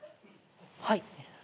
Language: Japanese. はい。